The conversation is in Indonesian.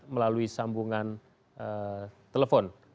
melalui sambungan telepon